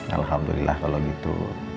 alhamdulillah kalau gitu